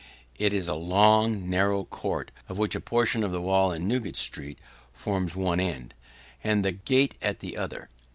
It is a long, narrow court, of which a portion of the wall in Newgate street forms one end, and the gate the other.